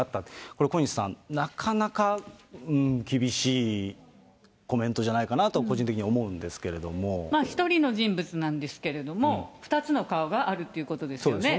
これ、小西さん、なかなか厳しいコメントじゃないかなと、１人の人物なんですけれども、２つの顔があるということですよね。